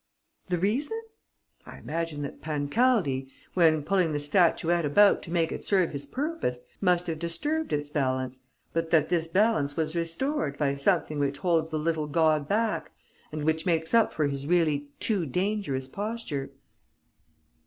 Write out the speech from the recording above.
"The reason? I imagine that Pancaldi, when pulling the statuette about to make it serve his purpose, must have disturbed its balance, but that this balance was restored by something which holds the little god back and which makes up for his really too dangerous posture."